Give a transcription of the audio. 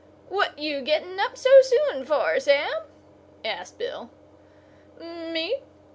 "What you getting up so soon for, Sam?" asked Bill. "Me?"